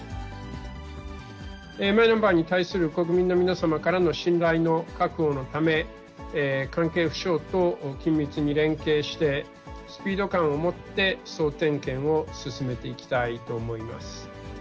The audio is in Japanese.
マイナンバーに対する国民の皆様からの信頼の確保のため、関係府省と緊密に連携して、スピード感を持って総点検を進めていきたいと思います。